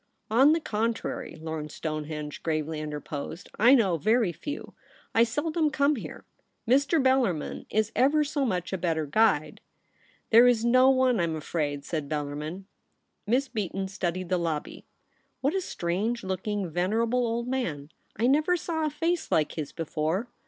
* On the contrary,' Lord Stonehenge gravely Interposed, ' I know very few. I seldom come here. Mr. Bellarmin is ever so much a better guide.' ' There Is no one, I'm afraid,' said Bel larmin. Miss Beaton studied the lobby. ' What a strange looking, venerable old man ! I never saw a face like his before.